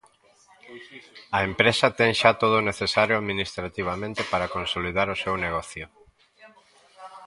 A empresa ten xa todo o necesario administrativamente para consolidar o seu negocio.